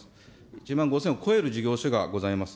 １万５０００を超える事業所がございます。